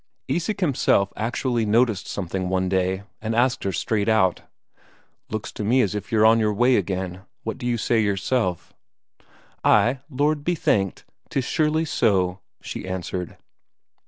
Isak himself actually noticed something one day, and asked her straight out: "Looks to me as if you're on the way again; what do you say yourself?" "Ay, Lord be thanked, 'tis surely so," she answered.